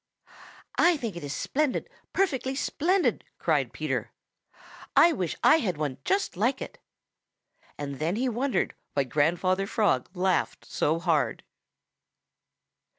"I think it is splendid, perfectly splendid," cried Peter. "I wish I had one just like it." And then he wondered why Grandfather Frog laughed so hard.